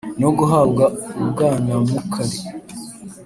no guhabwa u bwanamukari